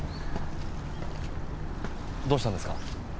どうしたんですか？